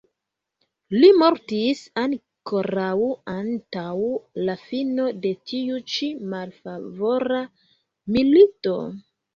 Li mortis ankoraŭ antaŭ la fino de tiu ĉi malfavora milito.